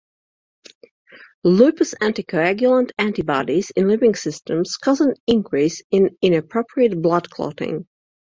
Lupus anticoagulant antibodies in living systems cause an increase in inappropriate blood clotting.